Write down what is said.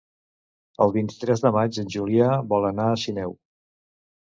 El vint-i-tres de maig en Julià vol anar a Sineu.